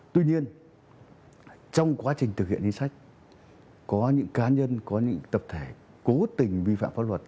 tuy nhiên trong quá trình thực hiện chính sách có những cá nhân có những tập thể cố tình vi phạm pháp luật